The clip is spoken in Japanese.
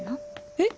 えっ！？